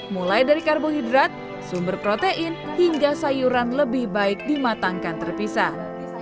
mulai dari karbohidrat sumber protein hingga sayuran lebih baik dimatangkan terpisah